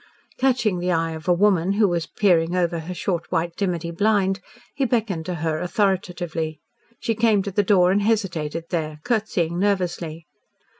Catching the eye of a woman who was peering over her short white dimity blind, he beckoned to her authoritatively. She came to the door and hesitated there, curtsying nervously.